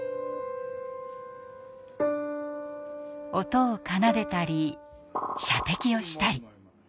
音を奏でたり射的をしたり。